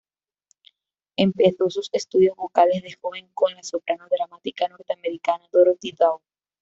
Empezó sus estudios vocales de joven con la soprano dramática norteamericana Dorothy Dow.